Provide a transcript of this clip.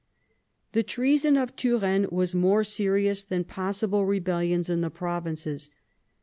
The treason of Turenne was more serious than pos sible rebellions in the provinces.